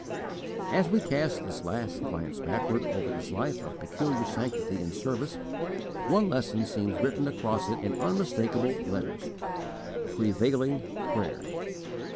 As we cast this last glance backward over this life of peculiar sanctity and service, one lesson seems written across it in unmistakable letters: PREVAILING PRAYER.